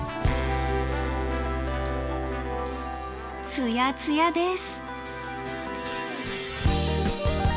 ツヤツヤです。